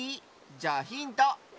じゃあヒント！